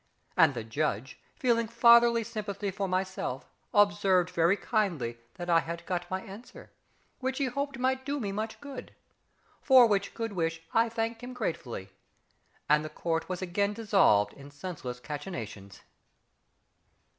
And the Judge, feeling fatherly sympathy for myself, observed very kindly that I had got my answer, which he hoped might do me much good. For which good wish I thanked him gratefully; and the Court was again dissolved in senseless cachinnations!